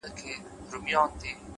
د زړه قوت تر بدن لوی وي،